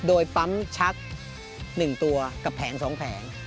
โดยปั๊มชัก๑ตัวกับแผง๒แผง